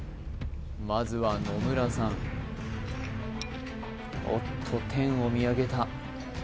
まずは野村さんおっと天を見上げた